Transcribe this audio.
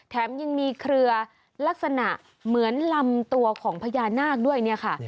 แถมยังมีเครือลักษณะเหมือนลำตัวของพญานาคด้วยเนี่ยค่ะ